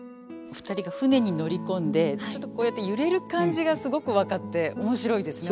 ２人が舟に乗り込んでちょっとこうやって揺れる感じがすごく分かって面白いですね